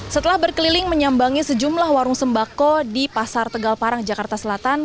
setelah berkeliling menyambangi sejumlah warung sembako di pasar tegal parang jakarta selatan